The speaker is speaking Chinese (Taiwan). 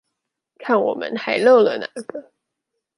看我們還漏了哪個